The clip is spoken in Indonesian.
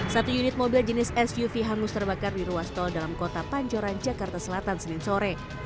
satu unit mobil jenis suv hangus terbakar di ruas tol dalam kota pancoran jakarta selatan senin sore